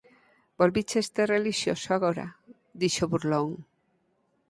Volvícheste relixioso agora? –dixo burlón.